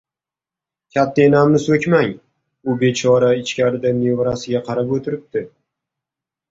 — Katta, enamni so‘kmang. U bechora ichkarida nevarasiga qarab o‘tiribdi.